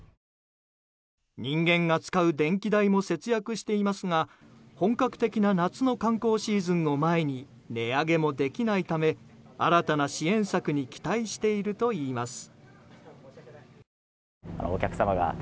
人間が使う電気代も節約していますが本格的な夏の観光シーズンを前に値上げもできないため新たな支援策に期待しているといいます。